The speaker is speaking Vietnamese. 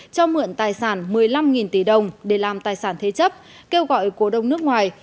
cho mượn tài sản một mươi năm tỷ đồng để làm tài sản thế chấp kêu gọi cổ đông nước ngoài